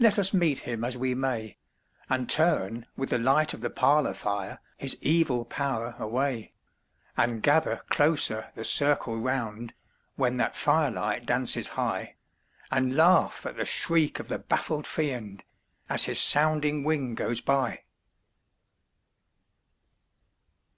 Let us meet him as we may, And turn with the light of the parlor fire his evil power away; And gather closer the circle round, when that fire light dances high, And laugh at the shriek of the baffled Fiend as his sounding wing goes by!